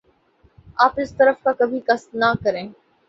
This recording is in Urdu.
آپ اس طرف کا کبھی قصد نہ کریں